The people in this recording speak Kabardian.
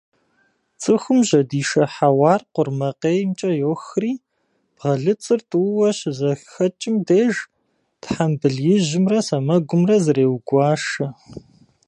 Цӏыхум жьэдишэ хьэуар къурмакъеймкӏэ йохри, бгъэлыцӏыр тӏууэ щызэхэкӏым деж тхьэмбыл ижьымрэ сэмэгумрэ зреугуашэ.